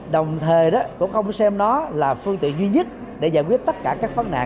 đồng thời cũng không xem nó là phương tiện duy nhất để giải quyết tất cả các phấn nạn